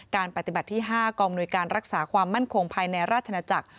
การปฏิบัติที่๕กองมนุยการรักษาความมั่นคงภายในราชนาจักร